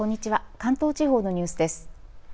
関東地方のニュースです。